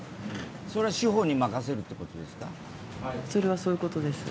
それは司法に任せるというということですか。